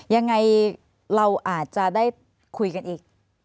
ยังไงเราอาจจะได้คุยกันอีก